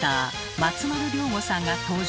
松丸亮吾さんが登場。